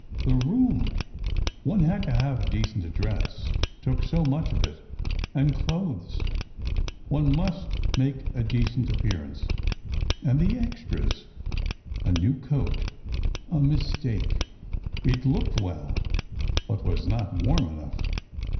The room—one had to have a decent address—took so much of it ... and clothes—one must make a decent appearance—and the extras! A new coat ... a mistake ... it looked well, but was not warm enough.